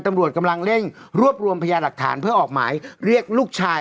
ตำรวจกำลังเร่งรวบรวมพยาหลักฐานเพื่อออกหมายเรียกลูกชาย